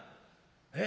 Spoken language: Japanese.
「えっ？